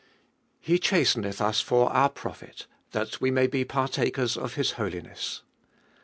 He chasteneth us for our profit, that we may be partakers of His holiness.